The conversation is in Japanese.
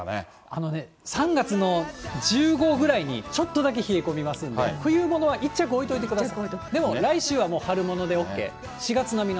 あのね、３月の１５ぐらいに、ちょっとだけ冷え込みますんで、冬物は１着置いといてください。